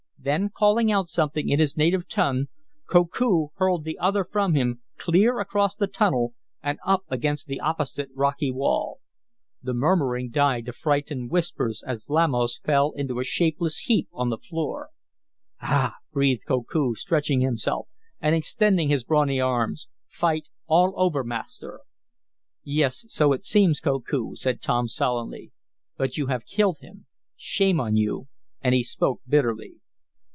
Then calling out something in his native tongue Koku hurled the other from him, clear across the tunnel and up against the opposite rocky wall. The murmuring died to frightened whispers as Lamos fell in a shapeless heap on the floor. "Ah!" breathed Koku, stretching himself, and extending his brawny arms. "Fight all over, Master." "Yes, so it seems, Koku," said Tom, solemnly, "but you have killed him. Shame on you!" and he spoke bitterly.